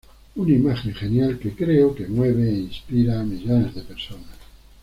Una imagen genial, que creo mueve e inspira a millones de personas.